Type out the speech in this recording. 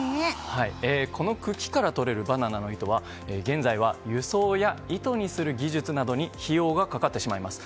この茎からとれるバナナの糸は現在は輸送や糸にする技術などに費用が掛かってしまいます。